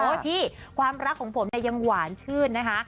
พี่ความรักของผมเนี่ยยังหวานชื่นนะคะ